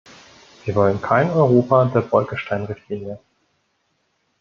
Wir wollen kein Europa der Bolkestein-Richtlinie.